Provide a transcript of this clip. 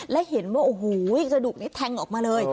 และเห็นว่าโอ้โหกระดูกนี้แทงออกมาเลย